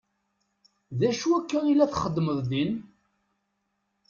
D acu akka i la txeddmeḍ din?